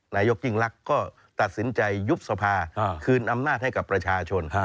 นายกยิ่งลักษณ์ก็ตัดสินใจยุบสภาคืนอำนาจให้กับประชาชน